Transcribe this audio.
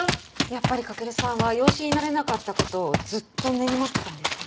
やっぱり駆さんは養子になれなかった事をずっと根に持ってたんですね。